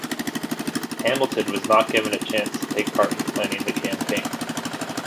Hamilton was not given a chance to take part in planning the campaign.